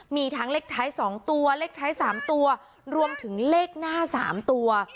มีทั้งเลขท้าย๒ตัวเลขท้าย๓ตัวรวมถึงเลขหน้า๓ตัว